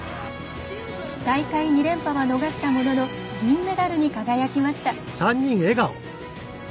大会２連覇は逃したものの銀メダルに輝きました。